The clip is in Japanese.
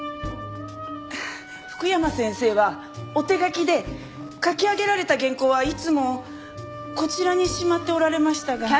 福山先生はお手書きで書き上げられた原稿はいつもこちらにしまっておられましたが。